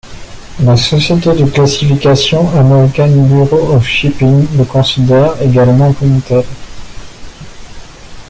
La société de classification American Bureau of Shipping le considère également comme tel.